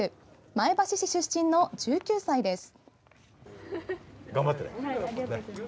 前橋市出身の１９歳です。